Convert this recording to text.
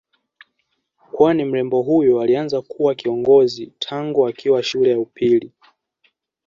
Kwani mrembo huyu alianza kuwa kiongozi tangu akiwa shule ya upili